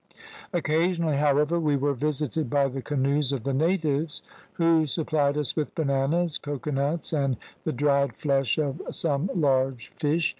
"Occasionally, however, we were visited by the canoes of the natives, who supplied us with bananas, cocoanuts, and the dried flesh of some large fish.